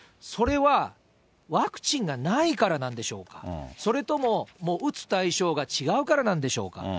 それは、ワクチンがないからなんでしょうか、それとも打つ対象が違うからなんでしょうか。